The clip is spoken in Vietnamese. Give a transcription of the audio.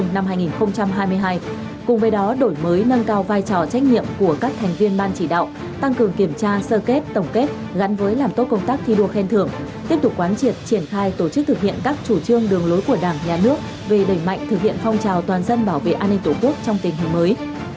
nâng cao vai trò trách nhiệm của các thành viên ban chỉ đạo tăng cường kiểm tra sơ kết tổng kết gắn với làm tốt công tác thi đua khen thưởng tiếp tục quán triệt triển khai tổ chức thực hiện các chủ trương đường lối của đảng nhà nước về đẩy mạnh thực hiện phong trào toàn dân bảo vệ an ninh tổ quốc trong tình hình mới